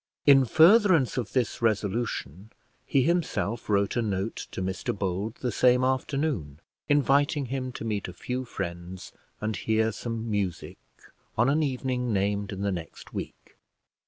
In furtherance of this resolution, he himself wrote a note to Mr Bold, the same afternoon, inviting him to meet a few friends and hear some music on an evening named in the next week.